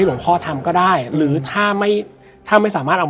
และวันนี้แขกรับเชิญที่จะมาเชิญที่เรา